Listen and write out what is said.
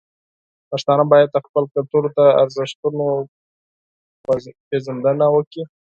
پښتانه باید د خپل کلتور د ارزښتونو پیژندنه وکړي.